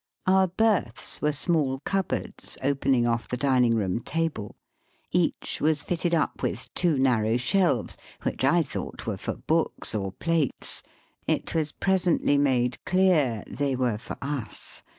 Our berths were small cupboards opening off the dining room table. Each was fitted up with two narrow shelves, which I thought were for books or plates. It was presently made clear they were for us.